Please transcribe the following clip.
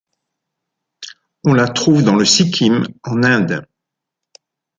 On la trouve dans le Sikkim, en Inde.